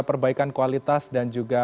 perbaikan kualitas dan juga